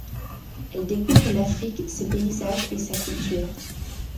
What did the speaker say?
Elle découvre l'Afrique, ses paysages et sa culture.